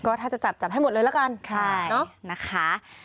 ก็ถ้าจะจับจับให้หมดเลยละกันนะคะ